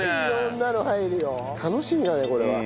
楽しみだねこれは。